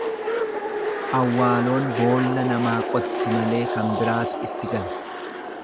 Awwaaloon boolla namaa qotti malee kan biraatu itti gala.